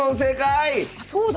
あそうだ！